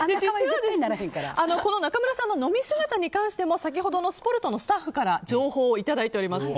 中村さんの飲み姿に関しても先ほどの「すぽると！」のスタッフから情報をいただいています。